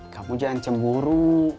kamu jangan cemburu